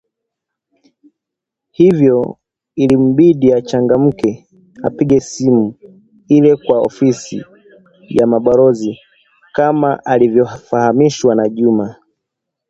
Hivyo, ilimbidi achangamke apige simu ile kwa ofisi ya balozi kama alivyofahamishwa na Juma